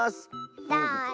どうぞ。